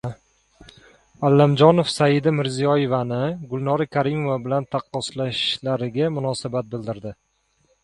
Allamjonov Saida Mirziyoyevani Gulnora Karimova bilan taqqoslashlariga munosabat bildirdi